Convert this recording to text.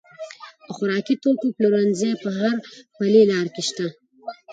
د خوراکي توکو پلورنځي په هر پلې لار کې شته.